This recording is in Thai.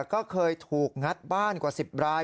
ก็เคยถูกงัดบ้านกว่า๑๐ราย